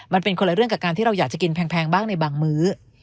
มันเป็นคนละเรื่องกับการที่เราอยากจะกินแพงบ้างในบางมื้อ